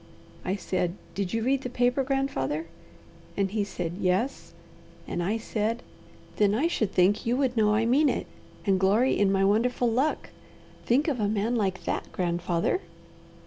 I said, 'Did you read the paper, grandfather?' and he said 'Yes'; and I said, 'Then I should think you would know I mean it, and glory in my wonderful luck. Think of a man like that, grandfather!'